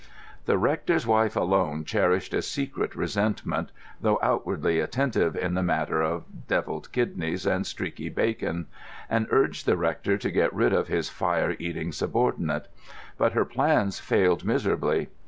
The rector's wife alone cherished a secret resentment (though outwardly attentive in the matter of devilled kidneys and streaky bacon), and urged the rector to get rid of his fire eating subordinate; but her plans failed miserably.